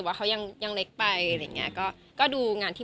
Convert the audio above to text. ก็เพราะเปลี่ยนหลังเล็กไป